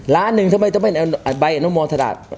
ล้านหนึ่งทำไมต้องเป็นใบอนุโมทดา